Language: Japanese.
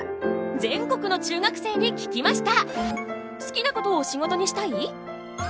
全国の中学生に聞きました！